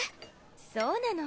そうなの。